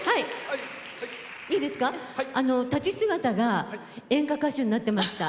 立ち姿が演歌歌手になってました。